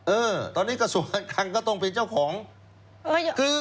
เออตอนนี้กระทรวงการคังก็ต้องเป็นเจ้าของคือ